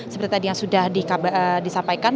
seperti tadi yang sudah disampaikan